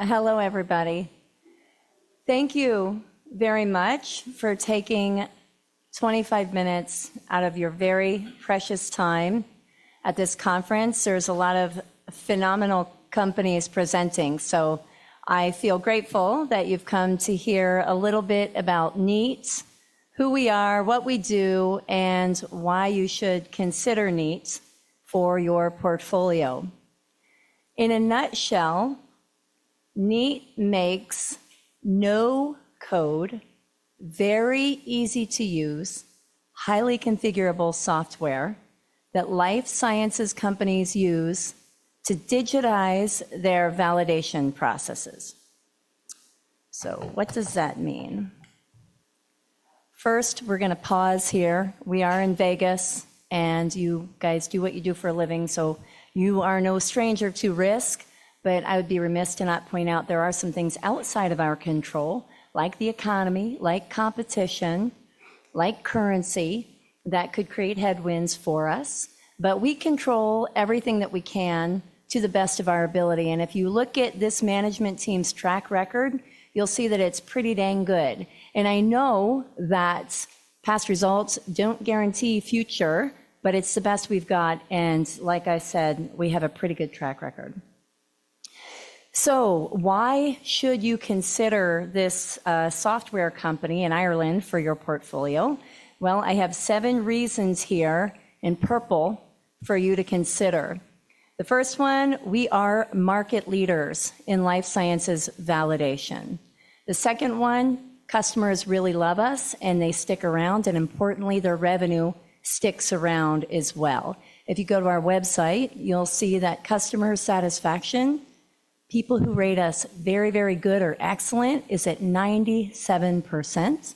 Hello, everybody. Thank you very much for taking 25 minutes out of your very precious time at this conference. There are a lot of phenomenal companies presenting, so I feel grateful that you've come to hear a little bit about Kneat. Who we are, what we do, and why you should consider Kneat for your portfolio. In a nutshell, Kneat makes no-code, very easy-to-use, highly configurable software that life sciences companies use to digitize their validation processes. What does that mean? First, we are going to pause here. We are in Vegas, and you guys do what you do for a living, so you are no stranger to risk. I would be remiss to not point out there are some things outside of our control, like the economy, like competition, like currency, that could create headwinds for us. We control everything that we can to the best of our ability. If you look at this management team's track record, you'll see that it's pretty dang good. I know that past results don't guarantee future, but it's the best we've got. Like I said, we have a pretty good track record. Why should you consider this software company in Ireland for your portfolio? I have seven reasons here in purple for you to consider. The first one, we are market leaders in life sciences validation. The second one, customers really love us, and they stick around. Importantly, their revenue sticks around as well. If you go to our website, you'll see that customer satisfaction, people who rate us very, very good or excellent, is at 97%.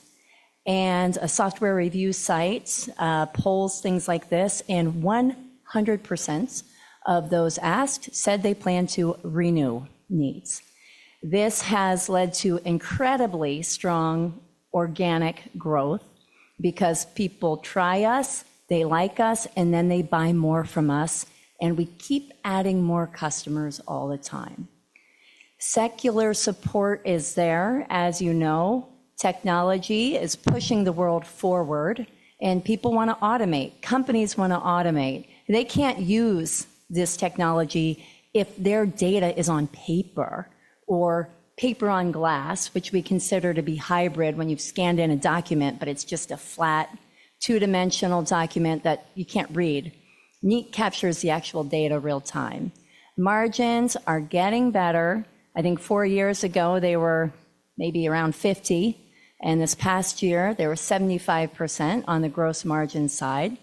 Software review sites poll things like this, and 100% of those asked said they plan to renew Kneat. This has led to incredibly strong organic growth because people try us, they like us, and then they buy more from us. We keep adding more customers all the time. Secular support is there, as you know. Technology is pushing the world forward, and people want to automate. Companies want to automate. They can't use this technology if their data is on paper or paper on glass, which we consider to be hybrid when you've scanned in a document, but it's just a flat, two-dimensional document that you can't read. Kneat captures the actual data real-time. Margins are getting better. I think four years ago, they were maybe around 50. This past year, they were 75% on the gross margin side.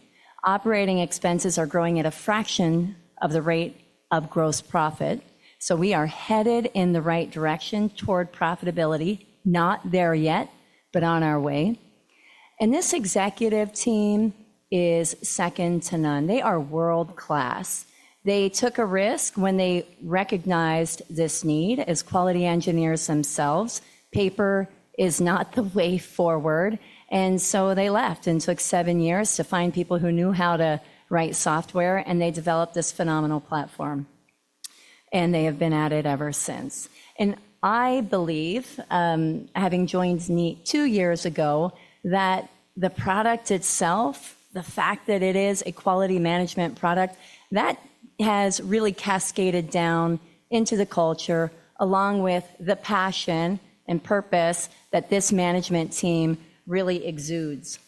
Operating expenses are growing at a fraction of the rate of gross profit. We are headed in the right direction toward profitability. Not there yet, but on our way. This executive team is second to none. They are world-class. They took a risk when they recognized this need as quality engineers themselves. Paper is not the way forward. They left. It took seven years to find people who knew how to write software. They developed this phenomenal platform. They have been at it ever since. I believe, having joined Kneat two years ago, that the product itself, the fact that it is a quality management product, has really cascaded down into the culture, along with the passion and purpose that this management team really exudes.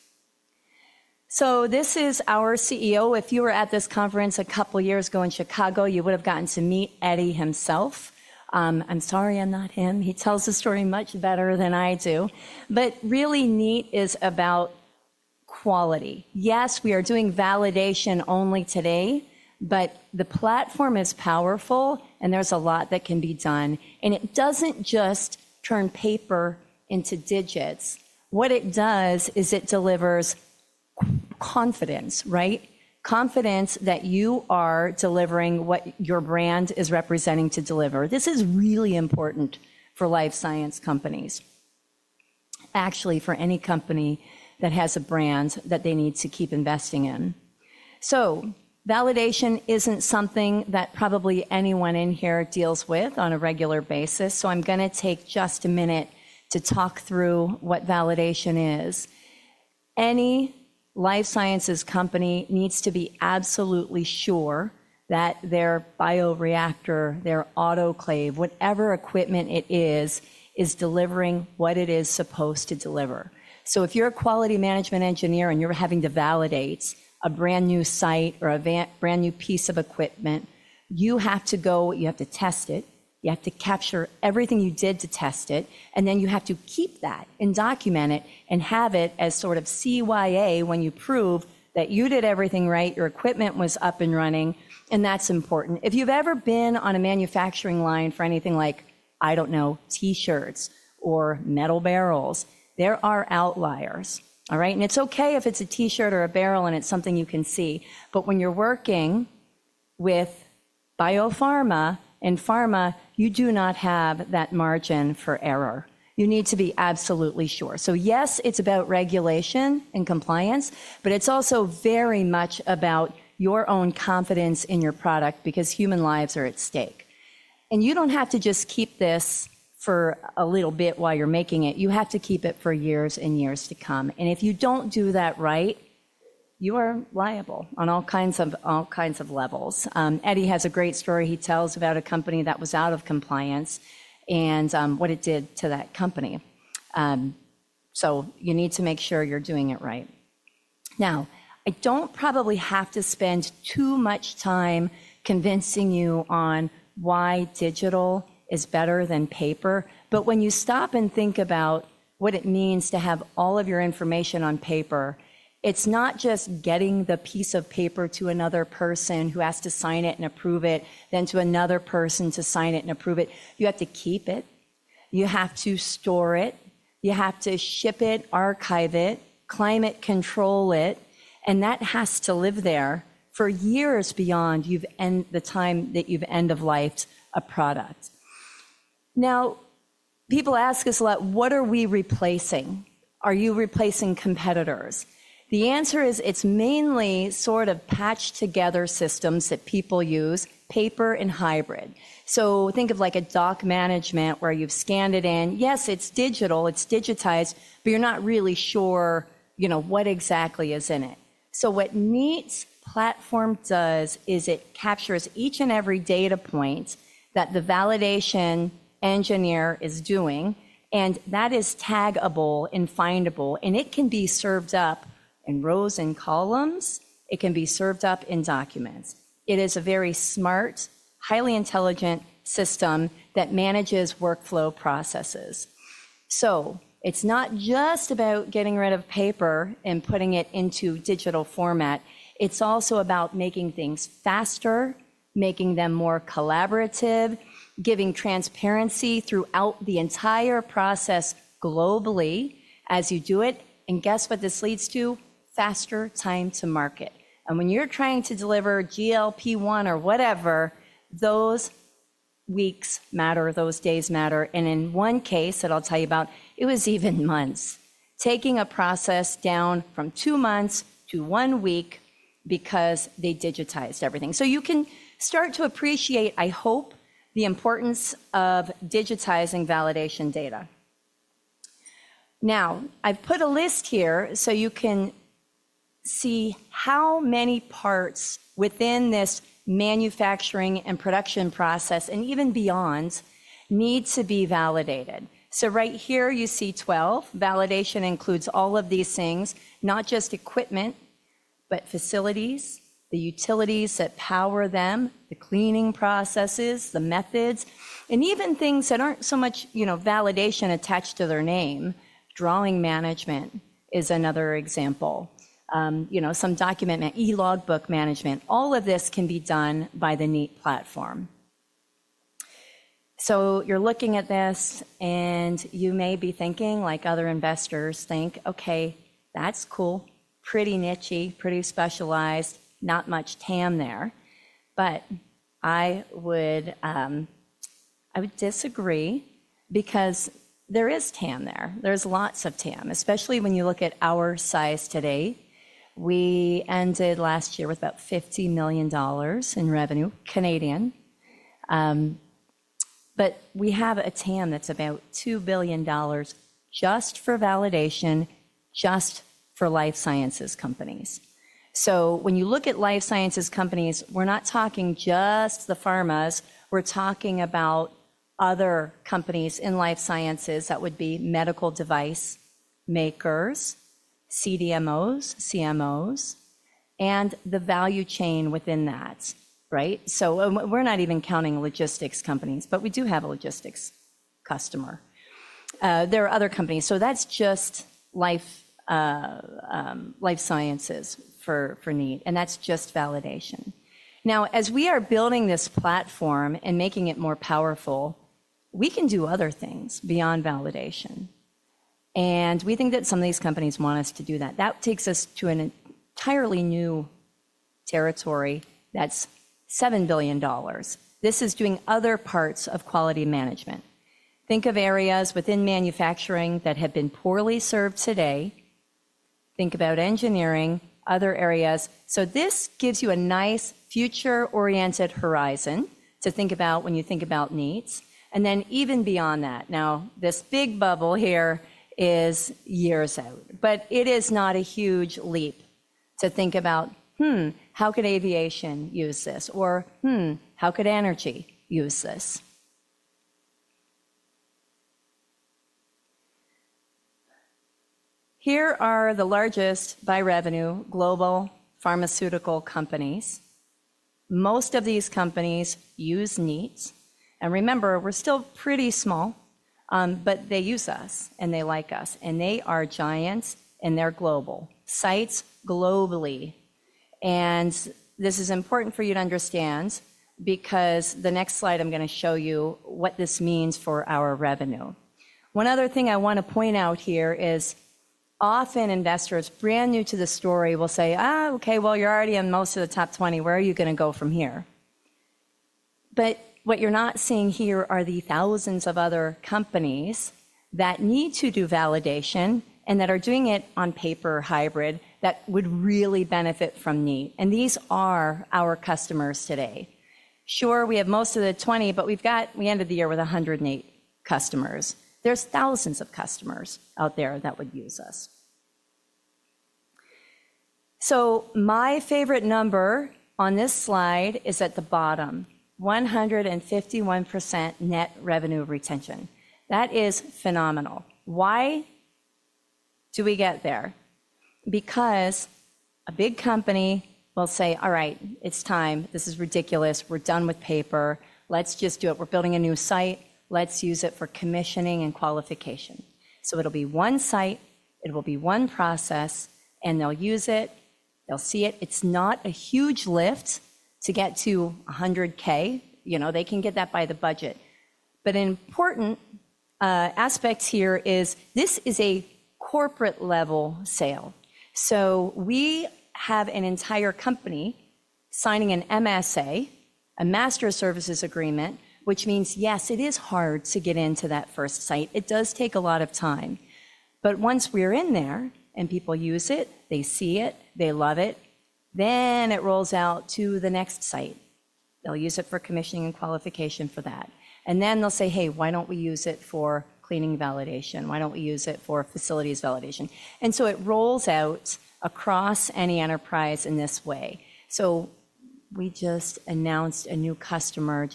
This is our CEO. If you were at this conference a couple of years ago in Chicago, you would have gotten to meet Eddie himself. I'm sorry I'm not him. He tells the story much better than I do. Really, Kneat is about quality. Yes, we are doing validation only today, but the platform is powerful, and there's a lot that can be done. It doesn't just turn paper into digits. What it does is it delivers confidence, right? Confidence that you are delivering what your brand is representing to deliver. This is really important for life science companies, actually, for any company that has a brand that they need to keep investing in. Validation isn't something that probably anyone in here deals with on a regular basis. I'm going to take just a minute to talk through what validation is. Any life sciences company needs to be absolutely sure that their bioreactor, their autoclave, whatever equipment it is, is delivering what it is supposed to deliver. If you're a quality management engineer and you're having to validate a brand new site or a brand new piece of equipment, you have to go, you have to test it. You have to capture everything you did to test it. You have to keep that and document it and have it as sort of CYA when you prove that you did everything right, your equipment was up and running. That's important. If you've ever been on a manufacturing line for anything like, I don't know, t-shirts or metal barrels, there are outliers. All right? It's okay if it's a t-shirt or a barrel and it's something you can see. When you're working with biopharma and pharma, you do not have that margin for error. You need to be absolutely sure. Yes, it's about regulation and compliance, but it's also very much about your own confidence in your product because human lives are at stake. You don't have to just keep this for a little bit while you're making it. You have to keep it for years and years to come. If you don't do that right, you are liable on all kinds of levels. Eddie has a great story he tells about a company that was out of compliance and what it did to that company. You need to make sure you're doing it right. I don't probably have to spend too much time convincing you on why digital is better than paper. When you stop and think about what it means to have all of your information on paper, it's not just getting the piece of paper to another person who has to sign it and approve it, then to another person to sign it and approve it. You have to keep it. You have to store it. You have to ship it, archive it, climate control it. That has to live there for years beyond the time that you've end-of-lifed a product. People ask us a lot, what are we replacing? Are you replacing competitors? The answer is it's mainly sort of patched-together systems that people use, paper and hybrid. Think of like a doc management where you've scanned it in. Yes, it's digital. It's digitized. But you're not really sure what exactly is in it. What Kneat's platform does is it captures each and every data point that the validation engineer is doing. That is taggable and findable. It can be served up in rows and columns. It can be served up in documents. It is a very smart, highly intelligent system that manages workflow processes. It's not just about getting rid of paper and putting it into digital format. It's also about making things faster, making them more collaborative, giving transparency throughout the entire process globally as you do it. Guess what this leads to? Faster time to market. When you're trying to deliver GLP-1 or whatever, those weeks matter, those days matter. In one case that I'll tell you about, it was even months, taking a process down from two months to one week because they digitized everything. You can start to appreciate, I hope, the importance of digitizing validation data. Now, I've put a list here so you can see how many parts within this manufacturing and production process, and even beyond, need to be validated. Right here, you see 12. Validation includes all of these things, not just equipment, but facilities, the utilities that power them, the cleaning processes, the methods, and even things that aren't so much validation attached to their name. Drawing management is another example. Some document, e-logbook management. All of this can be done by the Kneat platform. You're looking at this, and you may be thinking, like other investors think, okay, that's cool, pretty nichy, pretty specialized, not much TAM there. I would disagree because there is TAM there. There's lots of TAM, especially when you look at our size today. We ended last year with about 50 million dollars in revenue. We have a TAM that's about $2 billion just for validation, just for life sciences companies. When you look at life sciences companies, we're not talking just the pharmas. We're talking about other companies in life sciences that would be medical device makers, CDMOs, CMOs, and the value chain within that. Right? We're not even counting logistics companies, but we do have a logistics customer. There are other companies. That's just life sciences for Kneat. That's just validation. Now, as we are building this platform and making it more powerful, we can do other things beyond validation. We think that some of these companies want us to do that. That takes us to an entirely new territory that's $7 billion. This is doing other parts of quality management. Think of areas within manufacturing that have been poorly served today. Think about engineering, other areas. This gives you a nice future-oriented horizon to think about when you think about Kneat. Even beyond that, this big bubble here is years out. It is not a huge leap to think about, how could aviation use this? How could energy use this? Here are the largest by revenue global pharmaceutical companies. Most of these companies use Kneat. Remember, we're still pretty small, but they use us and they like us. They are giants, and they're global, sites globally. This is important for you to understand because the next slide I'm going to show you what this means for our revenue. One other thing I want to point out here is often investors brand new to the story will say, okay, well, you're already in most of the top 20. Where are you going to go from here? What you're not seeing here are the thousands of other companies that need to do validation and that are doing it on paper or hybrid that would really benefit from Kneat. These are our customers today. Sure, we have most of the 20, but we ended the year with 108 customers. There are thousands of customers out there that would use us. My favorite number on this slide is at the bottom, 151% net revenue retention. That is phenomenal. Why do we get there? Because a big company will say, all right, it's time. This is ridiculous. We're done with paper. Let's just do it. We're building a new site. Let's use it for commissioning and qualification. It will be one site. It will be one process. They will use it. They will see it. It's not a huge lift to get to $100,000. They can get that by the budget. An important aspect here is this is a corporate-level sale. We have an entire company signing an MSA, a Master Services Agreement, which means yes, it is hard to get into that first site. It does take a lot of time. Once we are in there and people use it, they see it, they love it, it rolls out to the next site. They will use it for commissioning and qualification for that. They will say, hey, why do we not use it for cleaning validation? Why do we not use it for facilities validation? It rolls out across any enterprise in this way. We just announced a new customer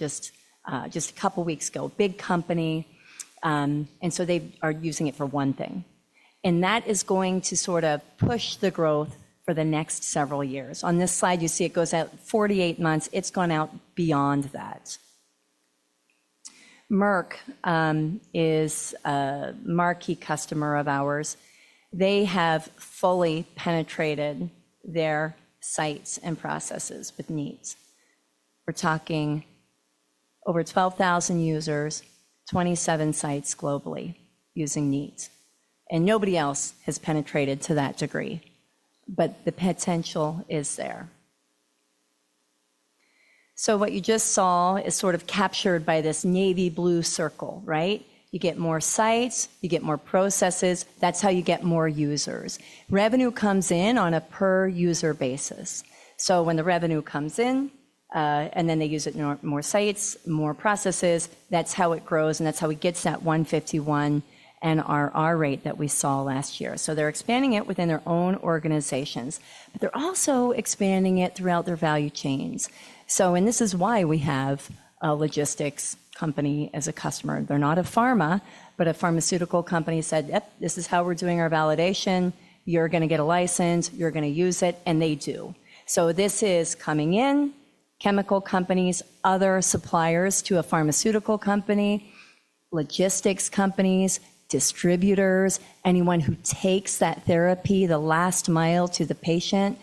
just a couple of weeks ago, big company. They are using it for one thing. That is going to sort of push the growth for the next several years. On this slide, you see it goes out 48 months. It has gone out beyond that. Merck is a marquee customer of ours. They have fully penetrated their sites and processes with Kneat. We are talking over 12,000 users, 27 sites globally using Kneat. Nobody else has penetrated to that degree. The potential is there. What you just saw is sort of captured by this navy blue circle, right? You get more sites. You get more processes. That is how you get more users. Revenue comes in on a per-user basis. When the revenue comes in, and then they use it in more sites, more processes, that is how it grows. That is how it gets that 151% NRR rate that we saw last year. They are expanding it within their own organizations. They are also expanding it throughout their value chains. This is why we have a logistics company as a customer. They are not a pharma, but a pharmaceutical company said, yep, this is how we are doing our validation. You are going to get a license. You are going to use it. And they do. This is coming in, chemical companies, other suppliers to a pharmaceutical company, logistics companies, distributors, anyone who takes that therapy the last mile to the patient,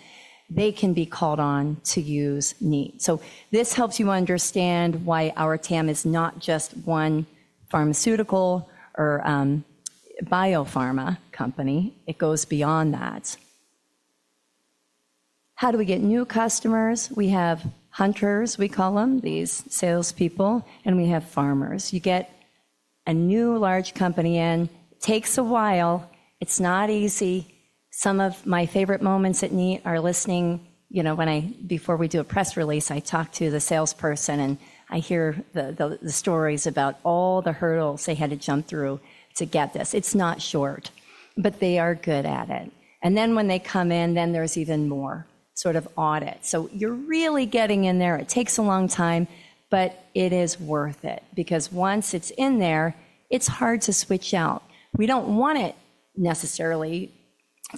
they can be called on to use Kneat. This helps you understand why our TAM is not just one pharmaceutical or biopharma company. It goes beyond that. How do we get new customers? We have hunters, we call them, these salespeople. We have farmers. You get a new large company in. It takes a while. It's not easy. Some of my favorite moments at Kneat are listening. Before we do a press release, I talk to the salesperson, and I hear the stories about all the hurdles they had to jump through to get this. It's not short, but they are good at it. When they come in, there is even more sort of audit. You are really getting in there. It takes a long time, but it is worth it. Because once it's in there, it's hard to switch out. We don't want it necessarily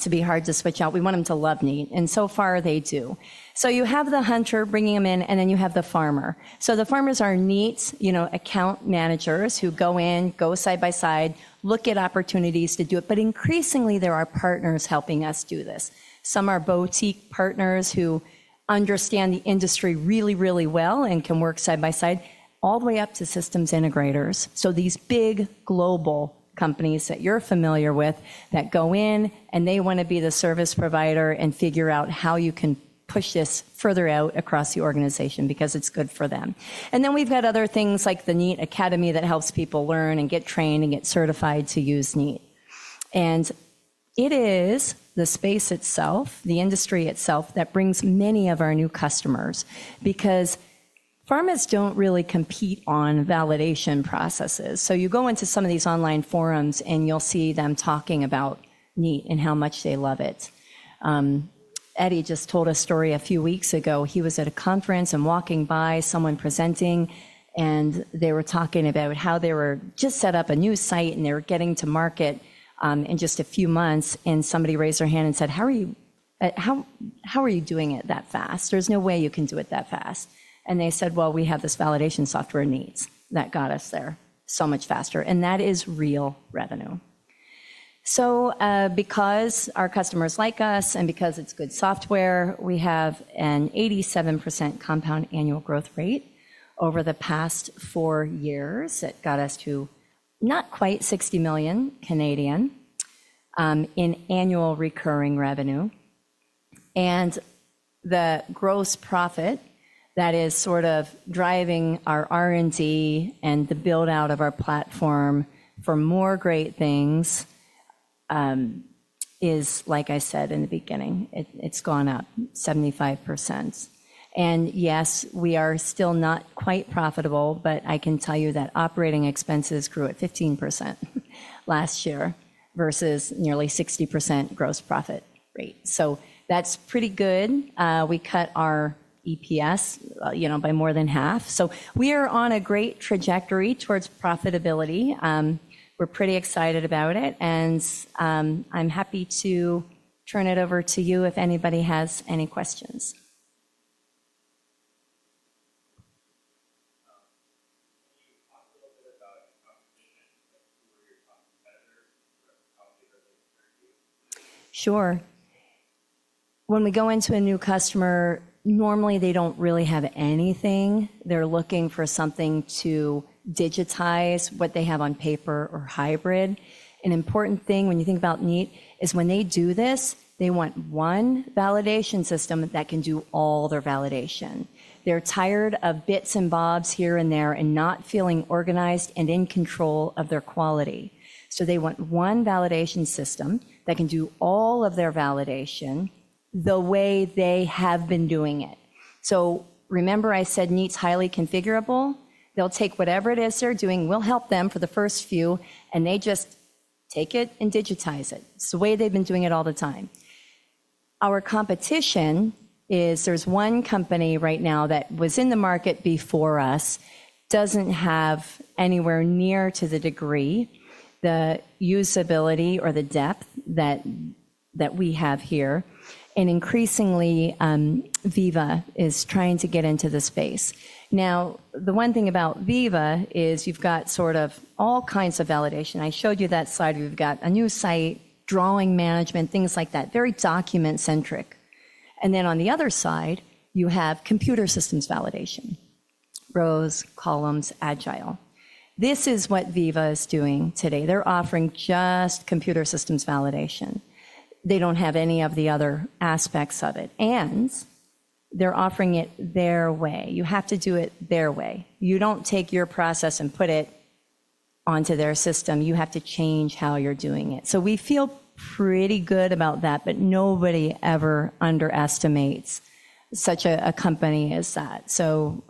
to be hard to switch out. We want them to love Kneat. And so far, they do. You have the hunter bringing them in, and then you have the farmer. The farmers are Kneat's account managers who go in, go side by side, look at opportunities to do it. Increasingly, there are partners helping us do this. Some are boutique partners who understand the industry really, really well and can work side by side, all the way up to systems integrators. These big global companies that you're familiar with go in, and they want to be the service provider and figure out how you can push this further out across the organization because it's good for them. We have other things like the Kneat Academy that helps people learn and get trained and get certified to use Kneat. It is the space itself, the industry itself, that brings many of our new customers. Pharmas do not really compete on validation processes. You go into some of these online forums, and you'll see them talking about Kneat and how much they love it. Eddie just told a story a few weeks ago. He was at a conference and walking by someone presenting. They were talking about how they were just set up a new site, and they were getting to market in just a few months. Somebody raised their hand and said, how are you doing it that fast? There's no way you can do it that fast. They said, we have this validation software Kneat that got us there so much faster. That is real revenue. Because our customers like us and because it's good software, we have an 87% compound annual growth rate over the past four years. It got us to not quite 60 million in annual recurring revenue. The gross profit that is sort of driving our R&D and the build-out of our platform for more great things is, like I said in the beginning, it's gone up 75%. Yes, we are still not quite profitable, but I can tell you that operating expenses grew at 15% last year versus nearly 60% gross profit rate. That's pretty good. We cut our EPS by more than half. We are on a great trajectory towards profitability. We're pretty excited about it. I'm happy to turn it over to you if anybody has any questions. Sure. When we go into a new customer, normally they don't really have anything. They're looking for something to digitize what they have on paper or hybrid. An important thing when you think about Kneat is when they do this, they want one validation system that can do all their validation. They're tired of bits and bobs here and there and not feeling organized and in control of their quality. They want one validation system that can do all of their validation the way they have been doing it. Remember I said Kneat's highly configurable? They'll take whatever it is they're doing. We'll help them for the first few, and they just take it and digitize it. It's the way they've been doing it all the time. Our competition is there's one company right now that was in the market before us, doesn't have anywhere near to the degree, the usability, or the depth that we have here. Increasingly, Veeva is trying to get into the space. The one thing about Veeva is you've got sort of all kinds of validation. I showed you that slide. We've got a new site, drawing management, things like that, very document-centric. On the other side, you have computer systems validation, rows, columns, Agile. This is what Veeva is doing today. They're offering just computer systems validation. They do not have any of the other aspects of it. They're offering it their way. You have to do it their way. You do not take your process and put it onto their system. You have to change how you're doing it. We feel pretty good about that, but nobody ever underestimates such a company as that.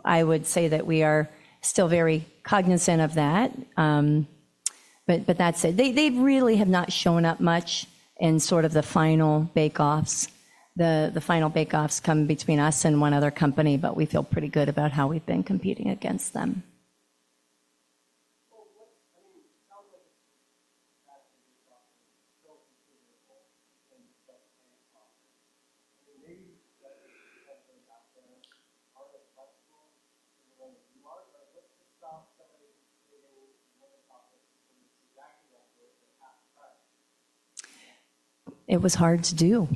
I would say that we are still very cognizant of that. That is it. They really have not shown up much in sort of the final bake-offs. The final bake-offs come between us and one other company, but we feel pretty good about how we've been competing against them. It was hard to do.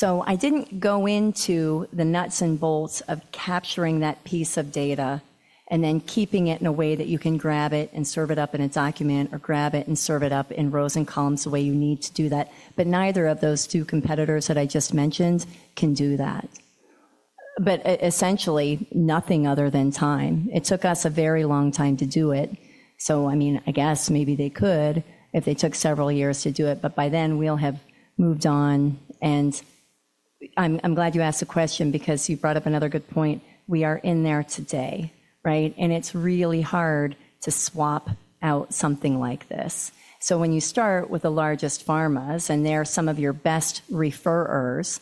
I did not go into the nuts and bolts of capturing that piece of data and then keeping it in a way that you can grab it and serve it up in a document or grab it and serve it up in rows and columns the way you need to do that. Neither of those two competitors that I just mentioned can do that. Essentially, nothing other than time. It took us a very long time to do it. I guess maybe they could if they took several years to do it. By then, we will have moved on. I am glad you asked the question because you brought up another good point. We are in there today, right? It is really hard to swap out something like this. When you start with the largest pharmas and they're some of your best referrers,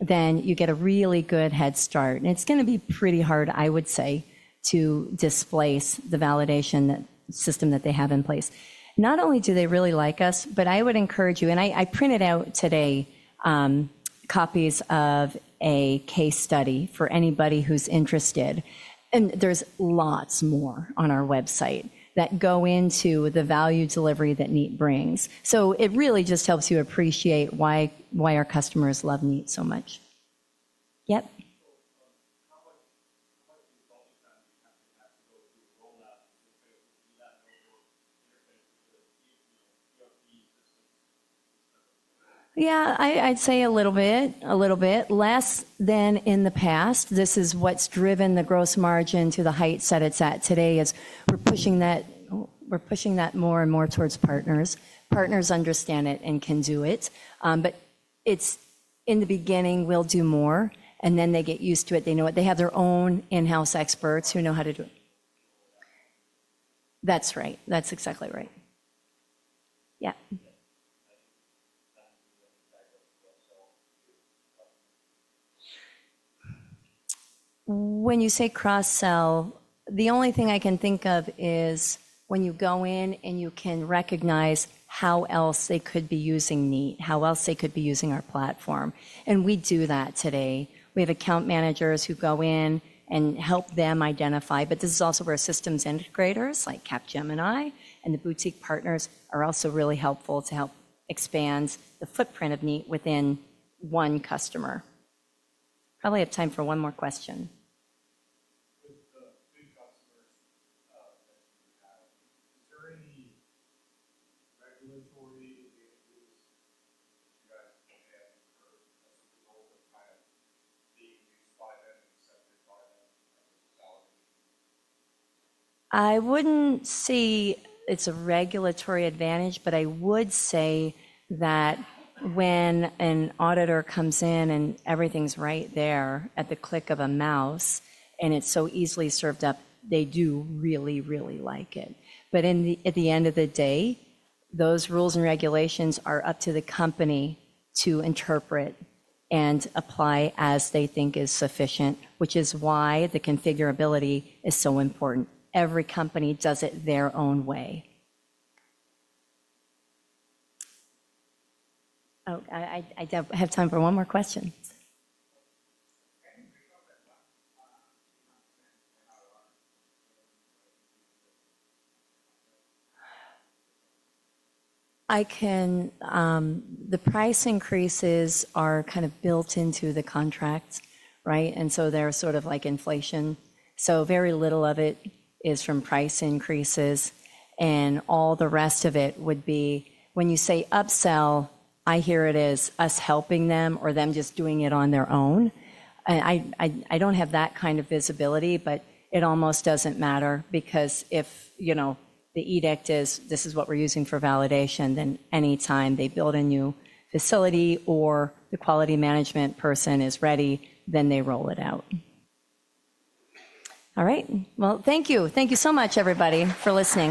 you get a really good head start. It's going to be pretty hard, I would say, to displace the validation system that they have in place. Not only do they really like us, but I would encourage you, and I printed out today copies of a case study for anybody who's interested. There are lots more on our website that go into the value delivery that Kneat brings. It really just helps you appreciate why our customers love Kneat so much. Yeah, I'd say a little bit, a little bit. Less than in the past. This is what's driven the gross margin to the heights that it's at today, as we're pushing that more and more towards partners. Partners understand it and can do it. In the beginning, we'll do more. Then they get used to it. They have their own in-house experts who know how to do it. That's right. That's exactly right. Yeah. When you say cross-sell, the only thing I can think of is when you go in and you can recognize how else they could be using Kneat, how else they could be using our platform. We do that today. We have account managers who go in and help them identify. This is also where systems integrators like Capgemini and the boutique partners are also really helpful to help expand the footprint of Kneat within one customer. Probably have time for one more question. With the big customers that you have, is there any regulatory advantages you guys have as a result of kind of being in a climate-accepted environment? I wouldn't say it's a regulatory advantage, but I would say that when an auditor comes in and everything's right there at the click of a mouse, and it's so easily served up, they do really, really like it. At the end of the day, those rules and regulations are up to the company to interpret and apply as they think is sufficient, which is why the configurability is so important. Every company does it their own way. Oh, I have time for one more question. The price increases are kind of built into the contract, right? They're sort of like inflation. Very little of it is from price increases. All the rest of it would be when you say upsell, I hear it as us helping them or them just doing it on their own. I don't have that kind of visibility, but it almost doesn't matter. Because if the edict is, this is what we're using for validation, then anytime they build a new facility or the quality management person is ready, then they roll it out. All right. Thank you. Thank you so much, everybody, for listening.